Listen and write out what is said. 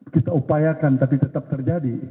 kita upayakan tapi tetap terjadi